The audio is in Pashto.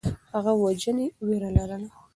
هغه د وژنې وېره لرله.